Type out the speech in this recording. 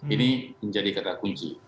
ini menjadi kata kunci